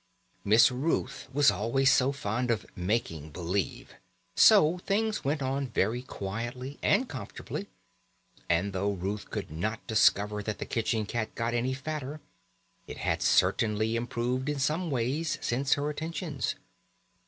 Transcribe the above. Miss Ruth was always so fond of "making believe". So things went on very quietly and comfortably, and though Ruth could not discover that the kitchen cat got any fatter, it had certainly improved in some ways since her attentions.